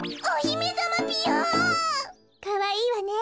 かわいいわね。